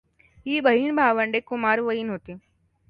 ही बहीण भावंडे कुमारवयीन होती.